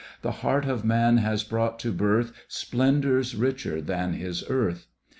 The heart of man has brought to birth Splendours richer than his earth..